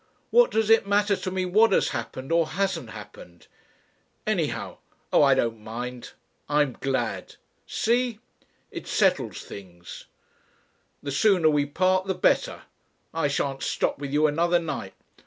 "What does it matter to me what has happened or hasn't happened? Anyhow oh! I don't mind. I'm glad. See? It settles things. "The sooner we part the better. I shan't stop with you another night.